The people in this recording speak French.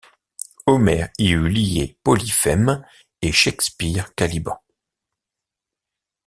Homère y eût lié Polyphème et Shakespeare Caliban.